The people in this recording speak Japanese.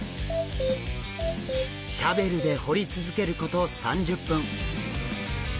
シャベルで掘り続けること３０分。